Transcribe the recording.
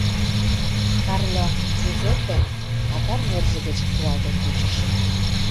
Карло Джузеппем какар нерже гыч руалтен кучыш.